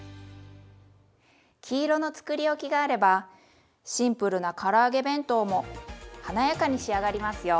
黄色のつくりおきがあればシンプルなから揚げ弁当も華やかに仕上がりますよ。